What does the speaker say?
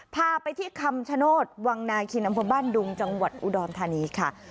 พาไปที่คำชโนธวังนาคินอำเภอบ้านดุงจังหวัดอุดรธานีค่ะ